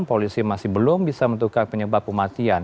polisi masih belum bisa menentukan penyebab kematian